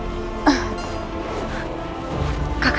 saya dapat dipercaya